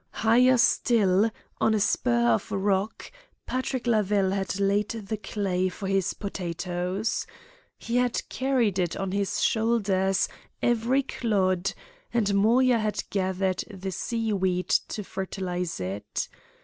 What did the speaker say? Higher still, on a spur of rock, Patrick Lavelle had laid the clay for his potatoes. He had carried it on his shoulders, every clod, and Moya had gathered the seaweed to fertilise it.